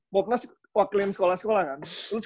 bobnas wakilin sekolah sekolah kan